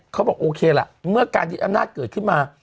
เขาบอกโอเคล่ะเมื่อการยึดอำนาจเกิดขึ้นมา